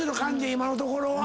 今のところは。